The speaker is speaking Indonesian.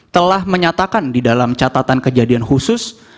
telah menyatakan di dalam catatan kejadian khusus